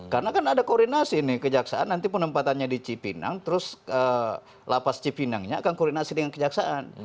karena kan ada koordinasi nih kejaksaan nanti penempatannya di cipinang terus lapas cipinangnya akan koordinasi dengan kejaksaan